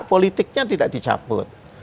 politiknya tidak dicabut